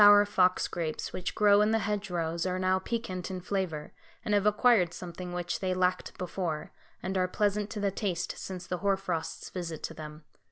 Cup form hoar frost] The little sour fox grapes which grow in the hedge rows, are now piquant in flavour, and have acquired something which they lacked before, and are pleasant to the taste since the hoar frost's visit to them.